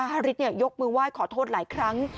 ฮาริสยกมือไหว้ขอโทษหลายครั้ง